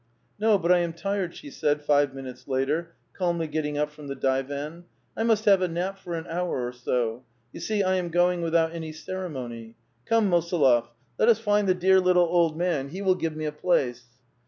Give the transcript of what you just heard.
" No, but 1 am tired," she said, five minutes later, calmly getting up from the divan. "I must have a nap^for an hour or so. You see I am going without any ceremony. Come, Mosolof, let us find the dear little old man ;, he will give ine a place."